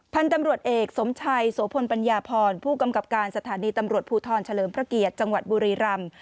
พันธุ์ตำรวจเอกสมชัยโสพลปัญญาพรผู้กำกับการสถานีตำรวจภูทรเฉลิมพระเกียรติจังหวัดบุรีรำ